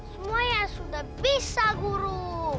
semuanya sudah bisa guru